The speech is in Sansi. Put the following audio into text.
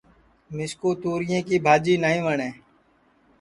مِسکُو توریں کی بھاجی نائی وٹؔیں